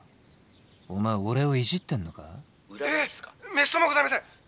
めっそうもございません！」。